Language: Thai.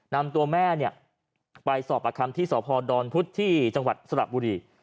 นำตัวแม่ไปสอบประคัมที่สพดพุธที่จังหวัดสระบุรี